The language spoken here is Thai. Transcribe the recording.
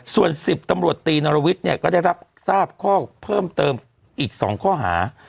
ส่วน๑๐ตำรวจตีนรวิทย์เนี่ยก็ได้รับทราบข้อเพิ่มเติมอีก๒ข้อหา